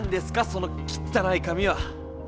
そのきったない紙は。